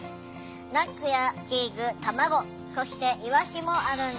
ナッツやチーズ卵そしてイワシもあるんです。